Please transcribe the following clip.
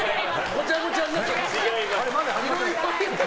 ごちゃごちゃになってます。